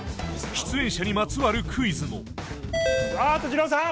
出演者にまつわるクイズもああっとじろうさん！